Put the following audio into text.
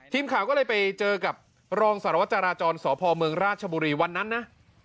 ทีมข่าวก็เลยไปเจอกับรองสารวจราจรสพเมืองราชบุรีวันนั้นนะ